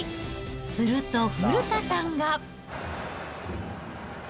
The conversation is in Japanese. すると古田さんが。